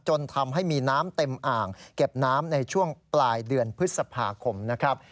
จนทำให้มีน้ำเต็มอ่างเก็บน้ำในช่วงปลายเดือนพฤษภาคมนะครับ